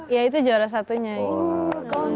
iya itu juara satunya iya itu juara satunya